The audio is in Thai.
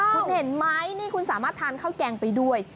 คุณเห็นไหมนี่คุณสามารถทานข้าวแกงไปด้วย